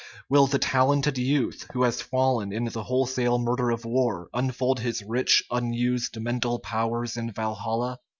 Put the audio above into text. Will the talented youth who has fallen in the wholesale murder of war unfold his rich, unused men tal powers in Walhalla?